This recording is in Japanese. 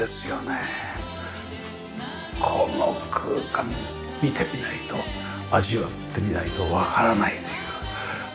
この空間見てみないと味わってみないとわからないという。